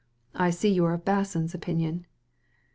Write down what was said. •• I see you are of Basson's opinion."